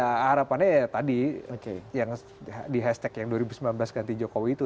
ya harapannya ya tadi yang di hashtag yang dua ribu sembilan belas ganti jokowi itu